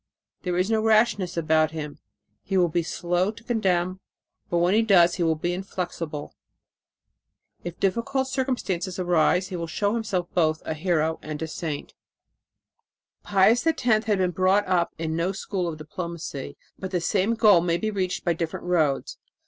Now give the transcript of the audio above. There is no rashness about him; he will be slow to condemn, but when he does he will be inflexible. If difficult circumstances arise he will show himself both a hero and a saint." Pius X had been brought up in no school of diplomacy, but the same goal may be reached by different roads.